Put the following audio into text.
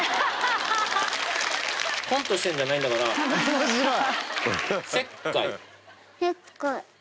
面白い。